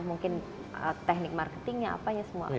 mungkin teknik marketingnya apanya semua